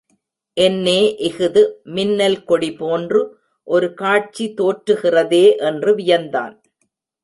என்னே இஃது, மின்னல் கொடிபோன்று ஒரு காட்சி தோற்றுகிறதே என்று வியந்தான்.